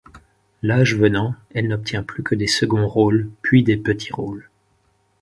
L'âge venant, elle n'obtient plus que des seconds rôles, puis des petits rôles.